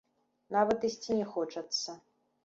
Нават ісці не хочацца.